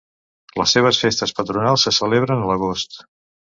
Les seves festes patronals se celebren a l'agost.